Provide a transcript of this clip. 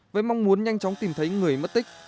với mong muốn nhanh chóng tìm thấy người mất tích